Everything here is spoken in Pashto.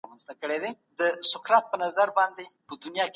موږ د خپلو ګاونډیانو د داخلي شخړو برخه نه یو.